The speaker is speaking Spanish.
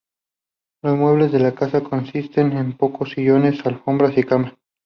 Los muebles de la casa consisten en pocos sillones, alfombras y camas.